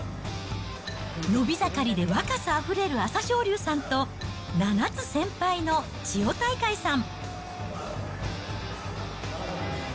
伸び盛りで若さあふれる朝青龍さんと、７つ先輩の千代大海さん。